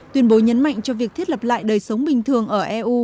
tuyên bố nhấn mạnh cho việc thiết lập lại đời sống bình thường ở eu